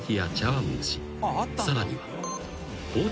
［さらには］